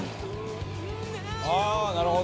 「ああーなるほど！